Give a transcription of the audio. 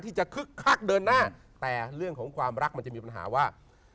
แต่เรื่องของความรักมันจะมีปัญหาว่า